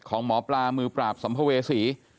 หมอปลามือปราบสัมภเวษี